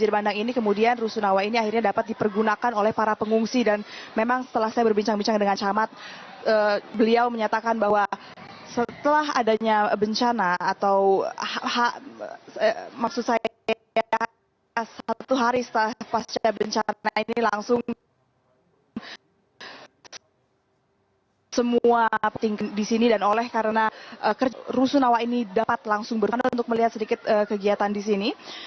maksud saya satu hari setelah bencana ini langsung semua di sini dan oleh karena kerja rusunawa ini dapat langsung berbunuh untuk melihat sedikit kegiatan di sini